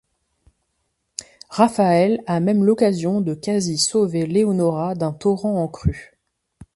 Rafael a même l'occasion de quasi sauver Leonora d'un torrent en crue.